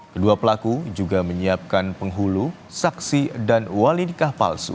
kedua pelaku juga menyiapkan penghulu saksi dan wali nikah palsu